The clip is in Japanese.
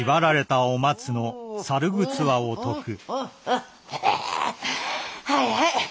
あはいはい。